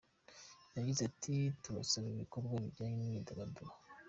Yagize ati :”Tubasaba ibikorwa bijyanye n’imyidagaduro.